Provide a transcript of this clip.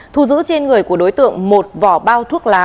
thu giữ trên người của đối tượng một vỏ bao thuốc lá